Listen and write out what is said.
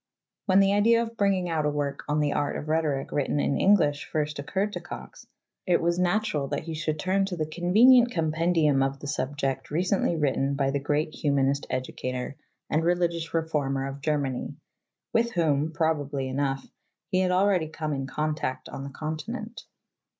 When the idea of bringing out a work on the Art of Rhetoric written in Eng lish first occurred to Cox, it was natural that he should turn to the convenient compendium of the subject recently written by the great humanist educator and religious reformer of Germany, with whom, probably enough, he had already come in contact on the continent.